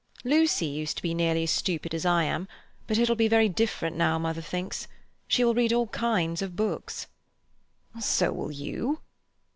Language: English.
"Lucy used to be nearly as stupid as I am, but it'll be very different now, mother thinks. She will read all kinds of books." "So will you."